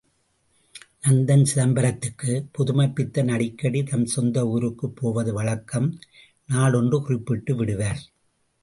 நந்தன் சிதம்பரத்துக்கு... புதுமைப்பித்தன் அடிக்கடி தம் சொந்த ஊருக்குப் போவது வழக்கம், நாள் ஒன்று குறிப்பிட்டு விடுவார்.